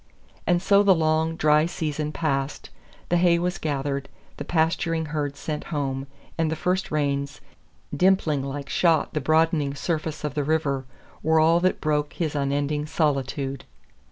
And so the long, dry season passed, the hay was gathered, the pasturing herds sent home, and the first rains, dimpling like shot the broadening surface of the river, were all that broke his unending solitude.